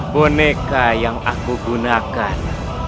boneka yang aku gunakan